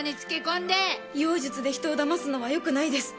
妖術で人をだますのはよくないです。